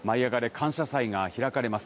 感謝祭が開かれます。